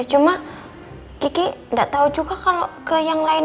cuma kiki nggak tahu juga kalau ke yang lain